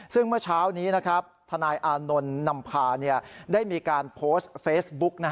ซึ่งเมื่อเช้านี้ทนายอานนท์นำพาได้มีการโพสต์เฟซบุ๊ก